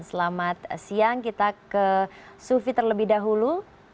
selamat siang kita ke sufi terlebih dahulu